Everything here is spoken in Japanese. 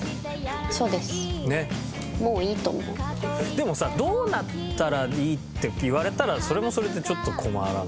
でもさどうなったらいいっていわれたらそれもそれでちょっと困らない？